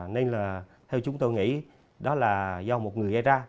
nên là theo chúng tôi nghĩ đó là do một người gây ra